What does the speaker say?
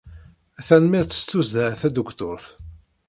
Tanemmirt s tussda, a Tadukturt.